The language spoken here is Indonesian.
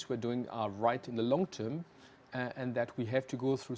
tapi diantara itu populisme akan menjadi jalan yang diperoleh